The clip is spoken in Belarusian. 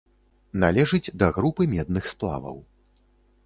Належыць да групы медных сплаваў.